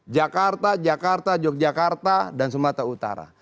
jakarta jakarta yogyakarta dan sumatera utara